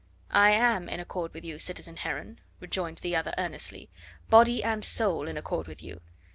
"I am in accord with you, citizen Heron," rejoined the other earnestly "body and soul in accord with you.